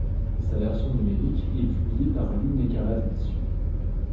Sa version numérique est publiée par Lune-Ecarlate Editions.